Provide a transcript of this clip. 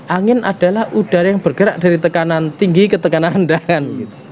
angin adalah udara yang bergerak dari tekanan tinggi ke tekanan rendahan